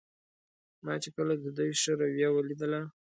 ما چې کله د دوی ښه رویه ولیدله.